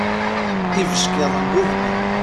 Ibeckiḍen ggugmen.